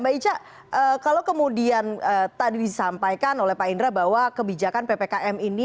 mbak ica kalau kemudian tadi disampaikan oleh pak indra bahwa kebijakan ppkm ini